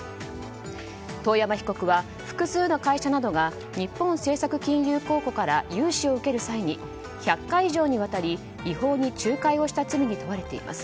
遠山被告は複数の会社などが日本政策金融公庫から融資を受ける際に１００回以上にわたり違法に仲介をした罪に問われています。